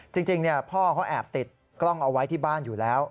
จริงพ่อเขาแอบติดกล้องเอาไว้ที่บ้านอยู่แล้ว